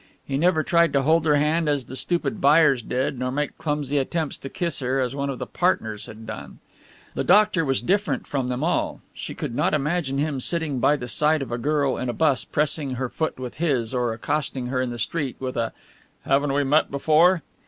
He never tried to hold her hand as the stupid buyers did, nor make clumsy attempts to kiss her as one of the partners had done. The doctor was different from them all. She could not imagine him sitting by the side of a girl in a bus pressing her foot with his, or accosting her in the street with a "Haven't we met before?"